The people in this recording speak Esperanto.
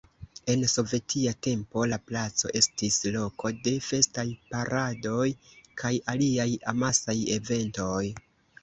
En sovetia tempo la placo estis loko de festaj paradoj kaj aliaj amasaj eventoj.